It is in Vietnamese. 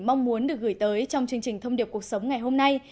mong muốn được gửi tới trong chương trình thông điệp cuộc sống ngày hôm nay